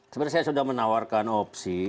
sebenarnya saya sudah menawarkan opsi